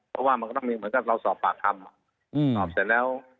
เพราะว่ามันก็ต้องมีเหมือนกับเราสอบปากคำสอบเสร็จแล้ว